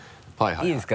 いいですか？